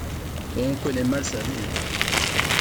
On connaît mal sa vie.